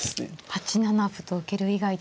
８七歩と受ける以外ですか。